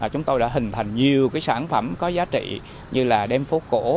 chúng tôi đã hình thành nhiều sản phẩm có giá trị như là đem phố cổ